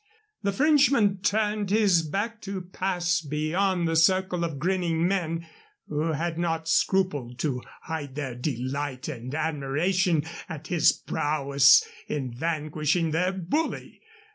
The Frenchman turned his back to pass beyond the circle of grinning men who had not scrupled to hide their delight and admiration at his prowess in vanquishing their bully.